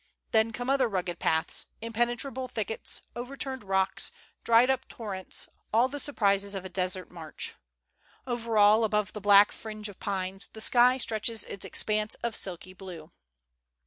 Then come other rugged paths, impenetrable thickets, overturned rocks, dried up torrents — all the surprises of a desert march. Over all, above the black fringe of pines, the sky stretches its expanse of silky blue.